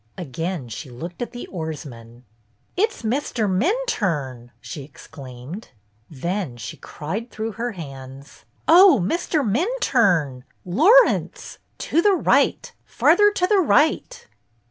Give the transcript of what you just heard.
Again she looked at the oarsman. " It 's Mr. Minturne !" she exclaimed. Then she cried through her hands: "Oh, Mr. Min turne! Laurence! To the right! Farther to the right!"